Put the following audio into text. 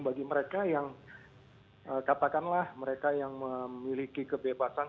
bagi mereka yang katakanlah mereka yang memiliki kebebasan